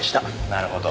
なるほど。